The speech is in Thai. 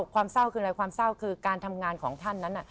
ความเศร้าคืออะไรความเศร้าคือการทำงานของท่านนั้น